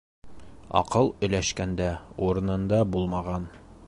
Аҡыл өләшкәндә урынында булмаған.